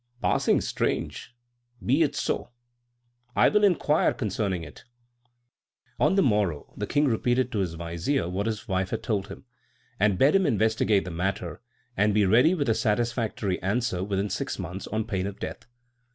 "Passing strange! Be it so. I will inquire concerning it." On the morrow the king repeated to his vizier what his wife had told him, and bade him investigate the matter, and be ready with a satisfactory answer within six months, on pain of death.